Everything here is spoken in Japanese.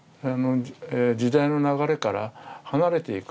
時代の流れから離れていく。